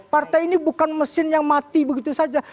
partai ini bukan mesin yang mati begitu saja